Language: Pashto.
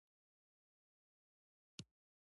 شريف په اوږه کې چوخ کړ.